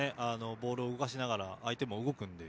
ボールを動かしながら相手も動くので。